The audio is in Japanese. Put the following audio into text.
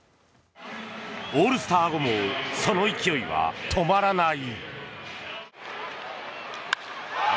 オールスター後もその勢いは止まらない。